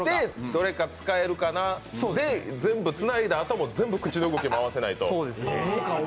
どれが使えるかなって全部つないだあとも口の動き合わせないとと。